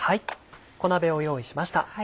小鍋を用意しました。